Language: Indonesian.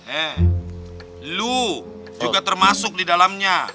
eh lu juga termasuk didalamnya